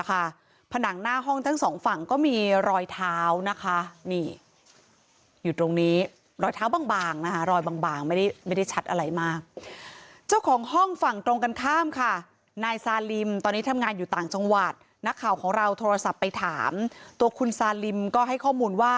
นะคะผนางหน้าห้องทั้งสองฝั่งก็มีรอยเท้านะคะนี่อยู่ตรงนี้รอยเท้าบางนะคะ